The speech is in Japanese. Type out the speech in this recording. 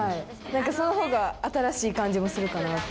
何かそのほうが新しい感じもするかな。